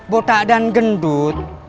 botak dan gendut